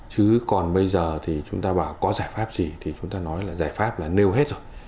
chứ còn bây giờ thì chúng ta bảo có giải pháp gì thì chúng ta nói là giải pháp là nêu hết rồi